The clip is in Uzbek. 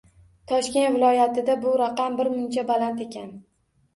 Toshkent viloyatida bu raqam birmuncha baland ekan